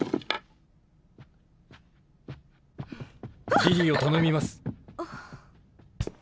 リリーを頼みます。